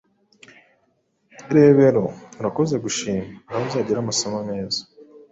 Rebero: Urakoze gushima. Ngaho uzagire amasomo meza,